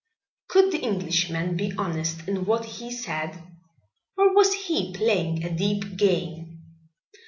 Could the Englishman be honest in what he said, or was he playing a deep game?